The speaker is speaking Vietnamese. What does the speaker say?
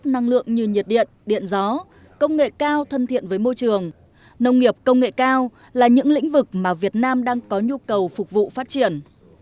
năng lượng như nhiệt điện điện gió công nghệ cao thân thiện với môi trường nông nghiệp công nghệ cao là những lĩnh vực mà việt nam đang có nhu cầu phục vụ phát triển